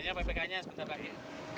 sebenarnya ppk nya sebetulnya baik